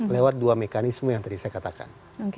lewat dua mekanisme yang tadi saya katakan